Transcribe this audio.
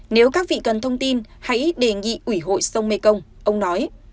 nếu các vị cần thông tin hãy đề nghị ủy hội sông mekong ông nói